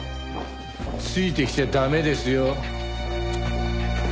ついてきちゃ駄目ですよ。